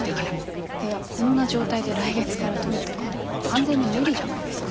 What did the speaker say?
こんな状態で来月から登米とか完全に無理じゃないですか。